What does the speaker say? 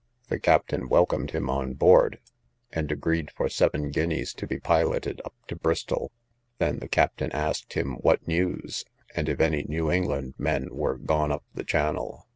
The captain welcomed him on board, and agreed for seven guineas to be pilotted up to Bristol: then the captain asked him what news, and if any New England men were gone up the channel?